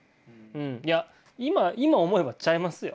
いや今思えばちゃいますよ。